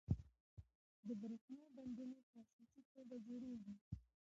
د بریښنا بندونه په اساسي توګه جوړیږي.